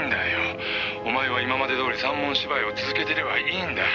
「お前は今まで通り三文芝居を続けてればいいんだ」